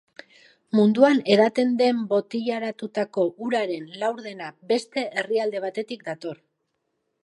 Munduan edaten den botilaratutako uraren laurdena beste herrialde batetik dator.